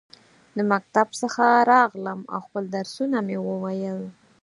د مکتب څخه راغلم ، او خپل درسونه مې وویل.